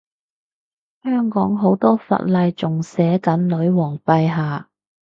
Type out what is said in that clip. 香港好多法例仲寫緊女皇陛下